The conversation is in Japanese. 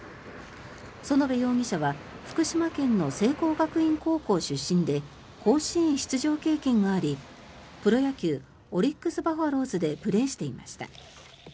園部容疑者は福島県の聖光学院高校出身で甲子園出場経験がありプロ野球オリックス・バファローズでプレーしていました。